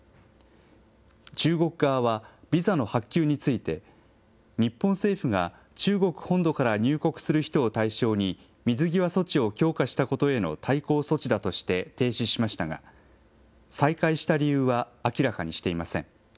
中国側は、ビザの発給について、日本政府が中国本土から入国する人を対象に、水際措置を強化したことへの対抗措置だとして停止しましたが、再開した理由は、明らかにしていません。